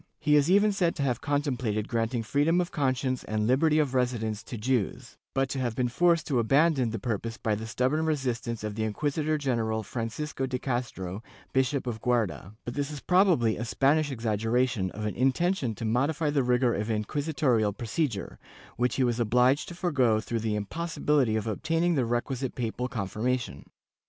He is even said to have contemplated granting freedom of conscience and liberty of residence to Jews, but to have been forced to abandon the purpose by the stubborn resistance of the inquisitor general Francisco de Castro, Bishop of Guarda,^ but this is probably a Spanish exaggeration of an intention to modify the rigor of inqui sitorial procedure, which he was obliged to forego through the impossibility of obtaining the requisite papal confirmation.